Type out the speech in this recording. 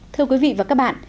thưa quý vị và các bạn